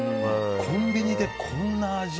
コンビニでこんな味？